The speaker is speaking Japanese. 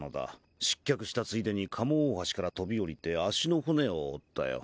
失脚したついでに賀茂大橋から飛び降りて足の骨を折ったよ。